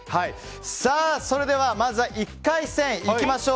それではまずは１回戦いきましょう。